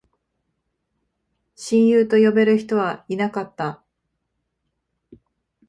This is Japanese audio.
親友と呼べる人はいなかった